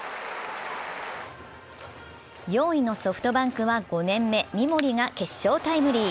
４位のソフトバンクは５年目・三森が決勝タイムリー。